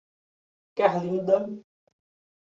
Carlinda